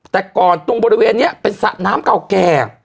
แต่ก่อนตรงบริเวณนี้เป็นสระน้ำเก่าแก่